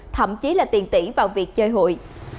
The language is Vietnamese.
thậm chí là tiền tỷ vào việc chơi hụi